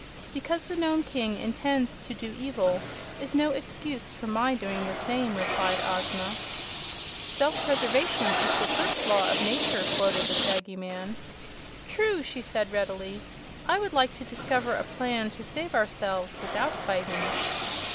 "Because the Nome King intends to do evil is no excuse for my doing the same," replied Ozma. "Self preservation is the first law of nature," quoted the Shaggy Man. "True," she said, readily. "I would like to discover a plan to save ourselves without fighting."